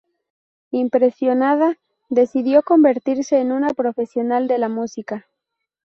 Impresionada, decidió convertirse en una profesional de la música.